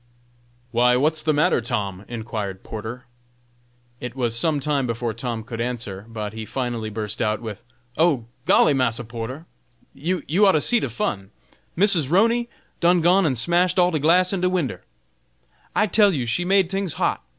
"Why! what's the matter, Tom?" inquired Porter. It was some time before Tom could answer, but he finally burst out with: "Oh! golly, Massa Porter, you ought to see de fun. Missus 'Roney done gone and smashed all de glass in de winder. I tell you she made tings hot.